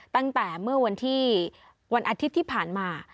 ตั้งแต่เมื่อวันที่วันอาทิตย์ที่ผ่านมา